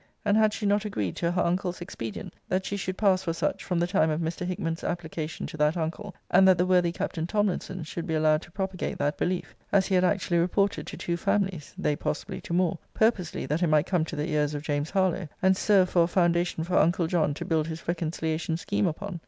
And had she not agreed to her uncle's expedient, that she should pass for such, from the time of Mr. Hickman's application to that uncle; and that the worthy Capt. Tomlinson should be allowed to propagate that belief: as he had actually reported to two families (they possibly to more); purposely that it might come to the ears of James Harlowe; and serve for a foundation for uncle John to build his reconciliation scheme upon?